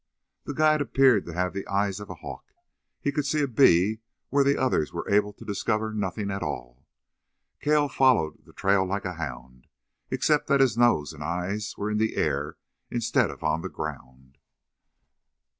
The guide appeared to have the eyes of a hawk. He could see a bee where the others were able to discover nothing at all. Cale followed the trail like a hound, except that his nose and eyes were in the air instead of on the ground.